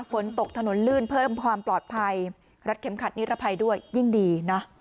ฝนตกถนนลื่นเพิ่มความปลอดภัยรัดเข็มขัดนิรภัยด้วยยิ่งดีนะ